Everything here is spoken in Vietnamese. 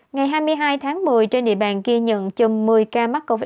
ngày hai mươi hai tháng một mươi trên địa bàn ghi nhận chầm một mươi ca mắc covid một mươi chín